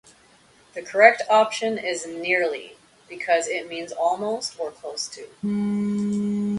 The correct option is "nearly" because it means almost or close to.